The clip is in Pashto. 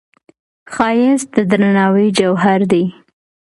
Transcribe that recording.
ښایست د درناوي جوهر دی